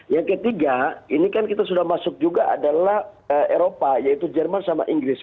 yang ketiga ini kan kita sudah masuk juga adalah eropa yaitu jerman sama inggris